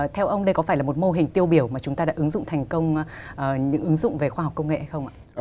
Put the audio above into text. theo ông đây có phải là một mô hình tiêu biểu mà chúng ta đã ứng dụng thành công những ứng dụng về khoa học công nghệ hay không ạ